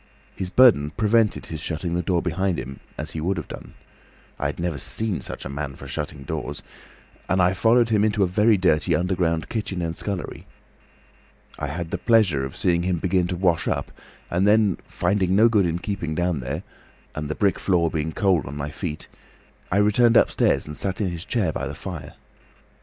His burden prevented his shutting the door behind him—as he would have done; I never saw such a man for shutting doors—and I followed him into a very dirty underground kitchen and scullery. I had the pleasure of seeing him begin to wash up, and then, finding no good in keeping down there, and the brick floor being cold on my feet, I returned upstairs and sat in his chair by the fire.